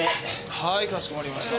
はいかしこまりました。